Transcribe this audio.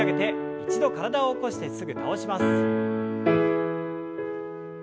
一度体を起こしてすぐ倒します。